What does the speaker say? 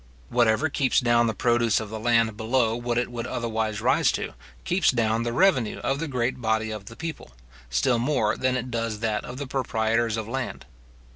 Whatever keeps down the produce of the land below what it would otherwise rise to, keeps down the revenue of the great body of the people, still more than it does that of the proprietors of land.